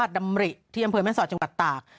ดำริที่อำเภอแม่สอดจังหวัดตาก